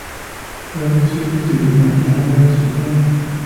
Florece y fructifica en primavera hasta el otoño.